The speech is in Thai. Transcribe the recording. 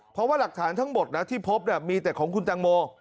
เพราะว่าหลักฐานทั้งหมดนะที่พบมีแต่ของคุณตังโม